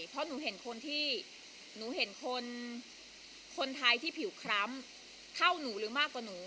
เพราะหนูเห็นคนที่หนูเห็นคนคนไทยที่ผิวคล้ำเข้าหนูหรือมากกว่าหนู